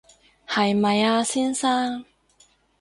係咪啊，先生